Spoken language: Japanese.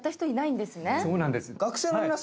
そうなんです。